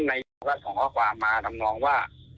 นายกก็ส่งข้อความมาทำนองว่า